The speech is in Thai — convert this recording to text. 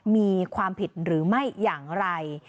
มีความผิดหรือไม่อย่างไร